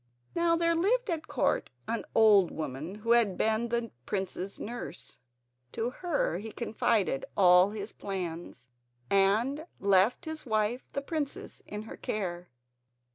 Now there lived at Court an old woman who had been the prince's nurse. To her he confided all his plans, and left his wife, the princess, in her care.